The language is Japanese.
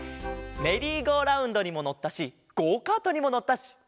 メリーゴーラウンドにものったしゴーカートにものったし。